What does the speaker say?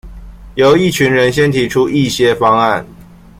由一群人先提出一些方案